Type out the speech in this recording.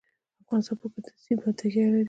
افغانستان په کندز سیند باندې تکیه لري.